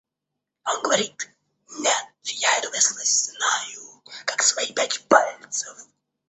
А он говорит: «Нет, я эту местность знаю, как свои пять пальцев».